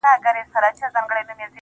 تا په درد كاتــــه اشــــنــــا~